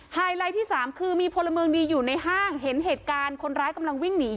ไฮไลท์ที่สามคือมีพลเมืองดีอยู่ในห้างเห็นเหตุการณ์คนร้ายกำลังวิ่งหนี